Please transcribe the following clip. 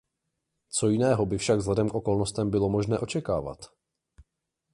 Co jiného by však vzhledem k okolnostem bylo možné očekávat?